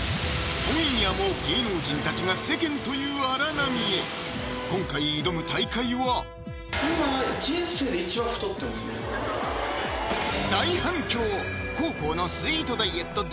今夜も芸能人たちが世間という荒波へ今回挑む大海は大反響！